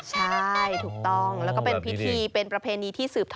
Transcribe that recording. ใช่ถูกต้องแล้วก็เป็นพิธี